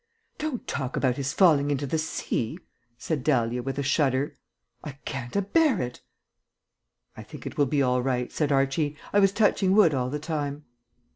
"Don't talk about his falling into the sea," said Dahlia, with a shudder; "I can't a bear it." "I think it will be all right," said Archie, "I was touching wood all the time."